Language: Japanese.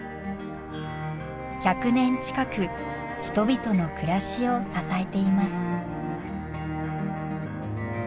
１００年近く人々の暮らしを支えています。